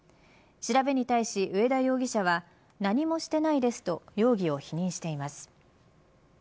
調べに対し上田容疑者は何もしてないですと容疑を否認しています。